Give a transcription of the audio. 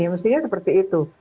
mestinya seperti itu